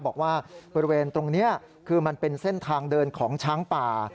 บอกว่าบริเวณตรงนี้คือมันเป็นเส้นทางเดินของช้างป่า